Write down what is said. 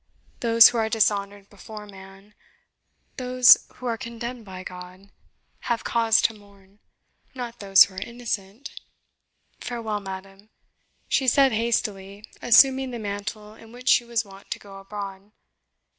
Those who are dishonoured before man those who are condemned by God have cause to mourn; not those who are innocent! Farewell, madam!" she said hastily assuming the mantle in which she was wont to go abroad.